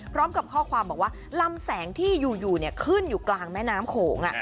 พร้อมกับข้อความบอกว่าลำแสงที่อยู่ขึ้นอยู่กลางแม่น้ำโขง